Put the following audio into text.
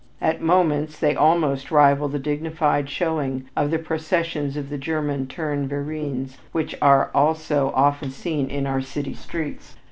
At moments they almost rival the dignified showing of the processions of the German Turn Vereins which are also often seen in our city streets.